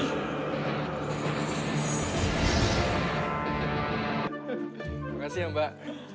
terima kasih mbak